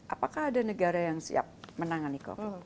apakah ada negara yang siap menangani covid sembilan belas